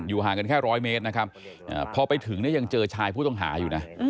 ห่างกันแค่๑๐๐เมตรนะครับพอไปถึงเนี่ยยังเจอชายผู้ต้องหาอยู่นะ